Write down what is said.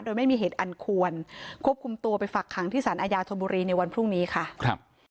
โดยไม่มีเหตุอันควรควบคุมตัวไปฝักขังที่สารอาญาธนบุรีในวันพรุ่งนี้ค่ะครับ